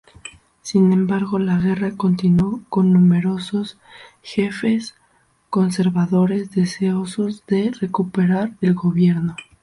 Sin embargo la guerra continuó con numerosos jefes conservadores deseosos de recuperar el gobierno.